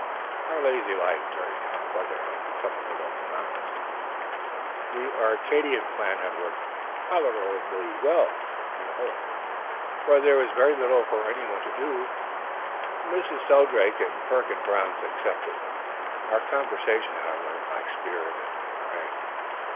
... "Our lazy life during the hot weather had become a little monotonous. The Arcadian plan had worked tolerably well, on the whole, for there was very little for any one to do, Mrs. Shelldrake and Perkins Brown excepted. Our conversation, however, lacked spirit and variety.